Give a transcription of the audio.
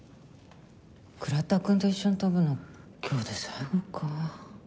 倉田くんと一緒に飛ぶの今日で最後か。